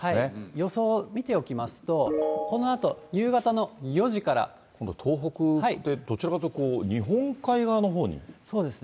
予想見ておきますと、このあ今度、東北でどちらかというと日本海側のほうに行く、雨雲が。